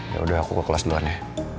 yaudah aku ke kelas duluan ya